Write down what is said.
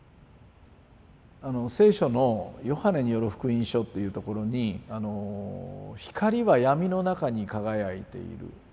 聖書の「ヨハネによる福音書」っていうところに「光はやみの中に輝いている」